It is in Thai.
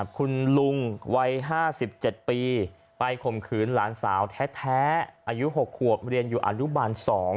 คุณลุงวัย๕๗ปีไปข่มขืนหลานสาวแท้อายุ๖ขวบเรียนอยู่อนุบาล๒